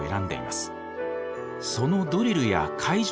そのドリルや会場